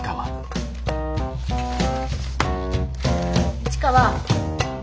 市川。